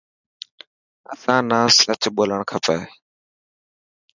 اسان نا سچ ٻولڻ کپي.